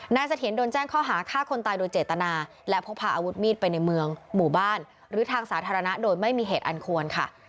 เสถียรโดนแจ้งข้อหาฆ่าคนตายโดยเจตนาและพกพาอาวุธมีดไปในเมืองหมู่บ้านหรือทางสาธารณะโดยไม่มีเหตุอันควรค่ะ